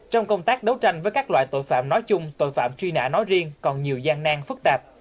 trong công tác đấu tranh với các loại tội phạm nói chung tội phạm truy nã nói riêng còn nhiều gian nan phức tạp